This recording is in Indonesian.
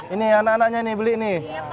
ini anak anaknya ini beli nih